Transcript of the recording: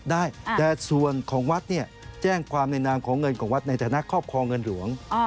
ได้แต่ส่วนของวัดเนี่ยแจ้งความในนามของเงินของวัดในฐานะครอบครองเงินหลวง